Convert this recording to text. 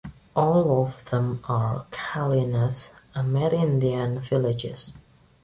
All of them are Kali'na Amerindian villages.